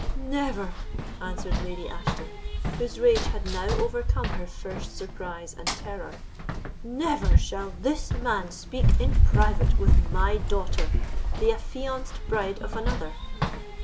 "Never!" answered Lady Ashton, whose rage had now overcome her first surprise and terror—"never shall this man speak in private with my daughter, the affianced bride of another!